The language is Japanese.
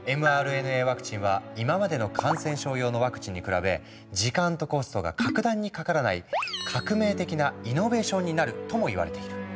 ワクチンは今までの感染症用のワクチンに比べ時間とコストが格段にかからないになるともいわれている。